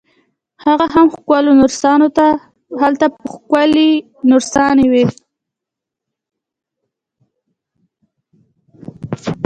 هغه هم ښکلو نرسانو ته، هلته به ښکلې نرسانې وي.